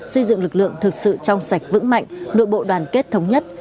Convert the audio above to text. xây dựng lực lượng thực sự trong sạch vững mạnh nội bộ đoàn kết thống nhất